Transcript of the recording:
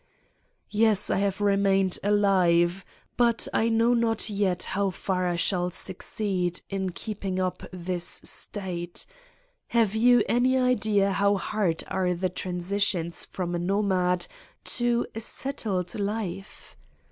Yes, I have remained alive but I know not yet how far I shall succeed in keeping up this state : have you any idea how hard are the transitions from a nomad to a settled life?